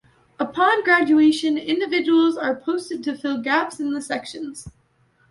Upon graduation, individuals are posted to fill gaps in the sections.